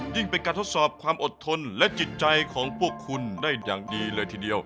เป็นการทดสอบความอดทนและจิตใจของพวกคุณได้อย่างดีเลยทีเดียว